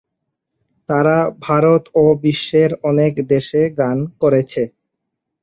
তারা ভারত ও বিশ্বের অনেক দেশে গান করেছে।